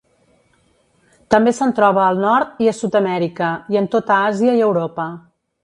També se'n troba al Nord i a Sud-amèrica, i en tota Àsia i Europa.